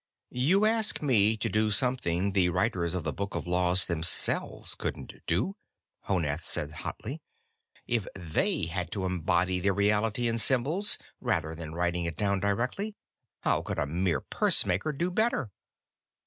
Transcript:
"You ask me to do something the writers of the Book of Laws themselves couldn't do," Honath said hotly. "If they had to embody the reality in symbols rather than writing it down directly, how could a mere pursemaker do better?"